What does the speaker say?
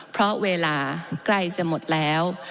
เพราะเวลาใกล้จะหมดแล้ว